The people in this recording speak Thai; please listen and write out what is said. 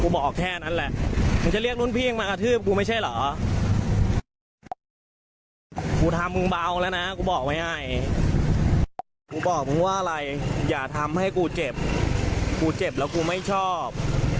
ปล่อยคลิปออกมาจริงหรอฮะครับ